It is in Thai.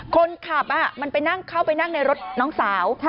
คนขับมันไปนั่งเข้าไปนั่งในรถน้องสาว